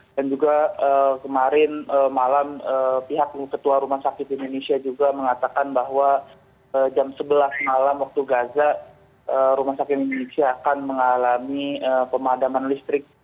dan juga kemarin malam pihak ketua rumah sakit indonesia juga mengatakan bahwa jam sebelas malam waktu gaza rumah sakit indonesia akan mengalami pemadaman listrik